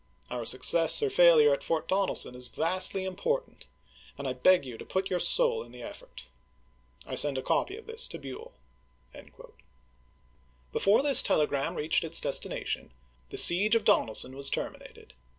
Our success or failure at Fort 1^^®?^ T v 1 • 1 • jeD. lb, Donelson is vastly important, and I beg you to put your 1862. w. r. soul in the effort. I send a copy of this to BueU. p.* 624. '' Before this telegram reached its destination, the siege of Donelson was terminated.